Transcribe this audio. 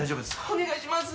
お願いします。